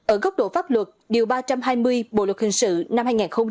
ở góc độ pháp luật điều ba trăm hai mươi bộ luật hình sự năm hai nghìn một mươi năm